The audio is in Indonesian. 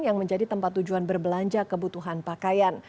yang menjadi tempat tujuan berbelanja kebutuhan pakaian